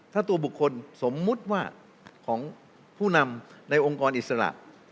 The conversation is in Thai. ถ้าตัวบุคคลสมมุติว่าของผู้นำในองค์กรอิสระ